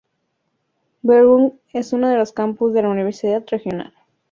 Bernburg es uno de los campus de la universidad regional.